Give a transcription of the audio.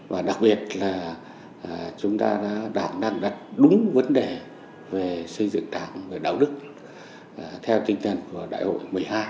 và đặc biệt là đảng đang đặt đúng vấn đề về xây dựng đảng về đạo đức theo tinh thần của đại hội một mươi hai